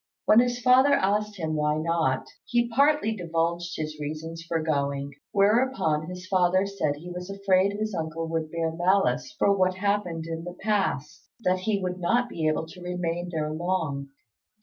When his father asked him why not, he partly divulged his reasons for going; whereupon his father said he was afraid his uncle would bear malice for what happened in the past, and that he would not be able to remain there long.